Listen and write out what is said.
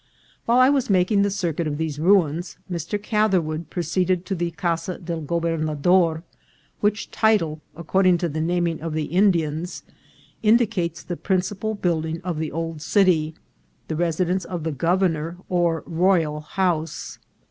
While I was making the circuit of these ruins, Mr. Catherwood proceeded to the Casa del Gobernador, which title, according to the naming of the Indians, indi cates the principal building of the old city, the residence of the governor, or royal house.